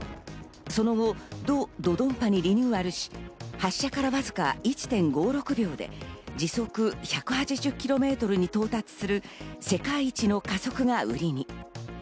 その後ド・ドドンパにリニューアルし、発射からわずか１．５６秒で時速１８０キロに到達する世界一の加速が売りに。